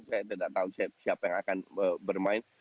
saya tidak tahu siapa yang akan bermain